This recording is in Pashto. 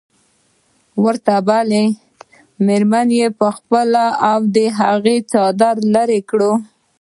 ورته بلې مېرمنې خپله او د هغې څادري لرې کړه.